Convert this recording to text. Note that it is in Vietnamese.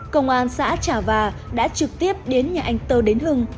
công an xã trà và đã trực tiếp đến nhà anh tơ đến hưng